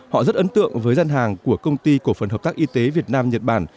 họ rất ấn tượng với gian hàng của công ty cổ phần hợp tác y tế việt nam nhật bản